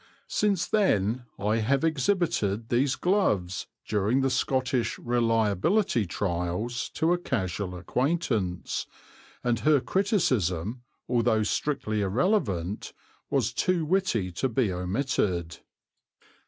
Since then I have exhibited these gloves, during the Scottish "Reliability" trials, to a casual acquaintance, and her criticism, although strictly irrelevant, was too witty to be omitted.